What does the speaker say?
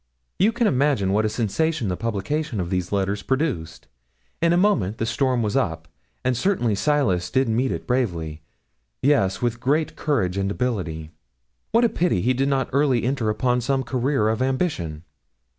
You can't imagine what a sensation the publication of these letters produced. In a moment the storm was up, and certainly Silas did meet it bravely yes, with great courage and ability. What a pity he did not early enter upon some career of ambition!